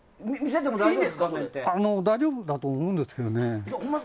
大丈夫だと思うんですけどね。